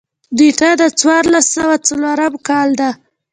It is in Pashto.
نېټه د څوارلس سوه څلورم کال ده.